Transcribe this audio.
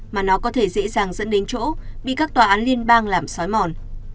mà nó có thể dễ dàng dẫn đến chỗ bị các tòa án liên bang làm sói mòn